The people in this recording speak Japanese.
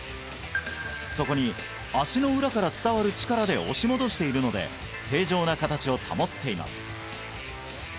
そこに足の裏から伝わる力で押し戻しているので正常な形を保っています